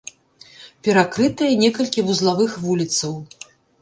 Перакрытыя некалькі вузлавых вуліцаў.